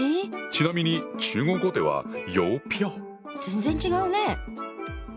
⁉ちなみに中国語では全然違うね。